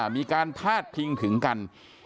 มีการพาดพิงถึงกัน